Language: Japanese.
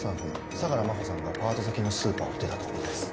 相良真帆さんがパート先のスーパーを出たところです